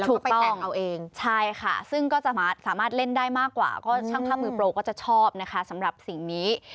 ถูกต้องแต่งเอาเองใช่ค่ะซึ่งก็จะสามารถเล่นได้มากกว่าก็ช่างภาพมือโปรก็จะชอบนะคะสำหรับสิ่งนี้